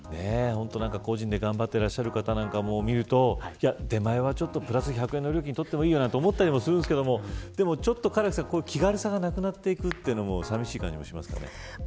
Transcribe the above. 個人で頑張っていらっしゃる方を見ると出前はプラス１００円の料金取ってもいいと思ったりするんですけど気軽さがなくなっていくというのも寂しい感じしますよね。